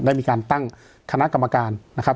ได้มีการตั้งคณะกรรมการนะครับ